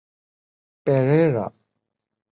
Perera.